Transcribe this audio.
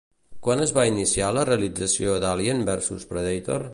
Quan es va iniciar la realització d'Alien versus Predator?